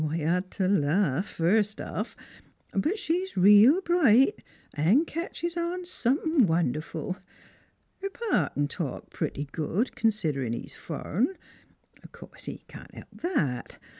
I had t' laugh, first off. But she's reel bright 'n' ketches on somethin' wonderful. Her pa c'n talk pretty good, considerin' he's fur'n. Course he can't help that!